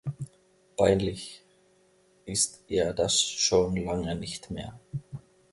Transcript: Peinlich ist ihr das schon lange nicht mehr.